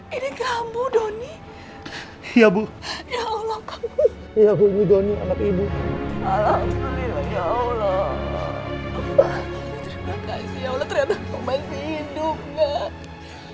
terima kasih ya allah ternyata kau masih hidup gak